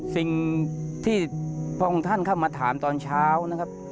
สิ่งที่พระองค์ท่านเข้ามาถามตอนเช้านะครับ